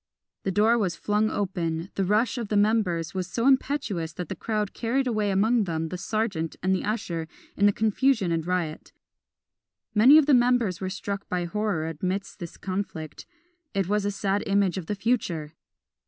The door was flung open, the rush of the members was so impetuous that the crowd carried away among them the serjeant and the usher in the confusion and riot. Many of the members were struck by horror amidst this conflict, it was a sad image of the future!